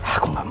aku gak mau